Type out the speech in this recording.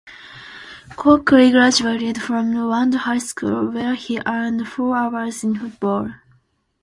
Coakley graduated from Wando High School, where he earned four letters in football.